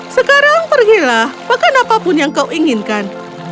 sekarang pergilah makan apapun yang kau inginkan